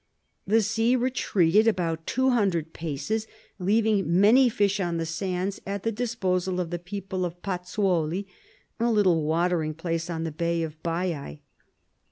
The sea retreated about two hundred paces, leaving many fish on the sands at the disposal of the people of Pozzuoli, a little watering place on the Bay of Baiæ.